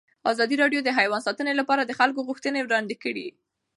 ازادي راډیو د حیوان ساتنه لپاره د خلکو غوښتنې وړاندې کړي.